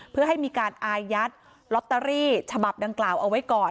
เพื่อให้มีการอายัดลอตเตอรี่ฉบับดังกล่าวเอาไว้ก่อน